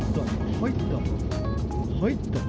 入った！